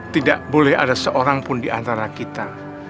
tidak boleh ada seorang pun diantara kita